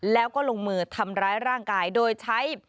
แล้วก็ลงมือทำร้ายร่างกายโดยใช้